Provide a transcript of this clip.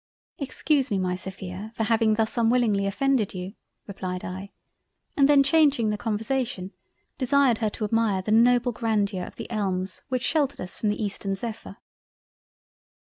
"Excuse me my Sophia for having thus unwillingly offended you—" replied I—and then changing the conversation, desired her to admire the noble Grandeur of the Elms which sheltered us from the Eastern Zephyr.